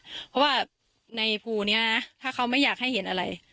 เพราะว่าในภูนี้นะถ้าเขาไม่อยากให้เห็นอะไร